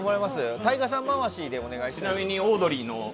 ＴＡＩＧＡさん回しでお願いします。